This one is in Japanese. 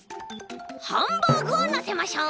ハンバーグをのせましょう！